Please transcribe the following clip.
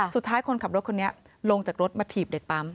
คนขับรถคนนี้ลงจากรถมาถีบเด็กปั๊ม